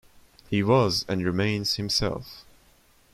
He was and remains himself.